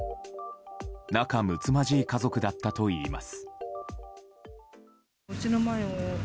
仲むつまじい家族だったといいます。